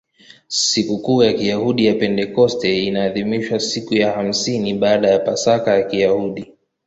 Sikukuu ya Kiyahudi ya Pentekoste inaadhimishwa siku ya hamsini baada ya Pasaka ya Kiyahudi.